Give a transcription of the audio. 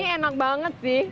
ini enak banget sih